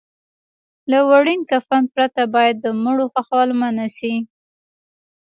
له وړین کفن پرته باید د مړو خښول منع شي.